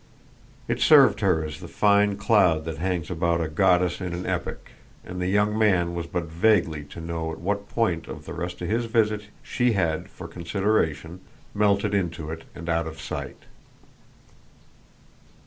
It served her as the fine cloud that hangs about a goddess in an epic, and the young man was but vaguely to know at what point of the rest of his visit she had, for consideration, melted into it and out of sight.